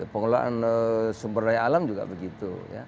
pengelolaan sumber daya alam juga begitu